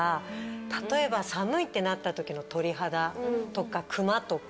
例えば寒いってなった時の鳥肌とかクマとか。